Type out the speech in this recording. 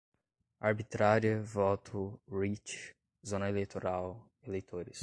arbitrária, voto, writ, zona eleitoral, eleitores